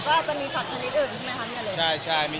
ก็อาจจะมีสัตว์ชนิดอื่นใช่ไหมคะพี่ทะเล